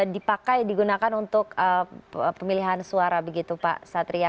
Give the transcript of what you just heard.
dipakai digunakan untuk pemilihan suara begitu pak satria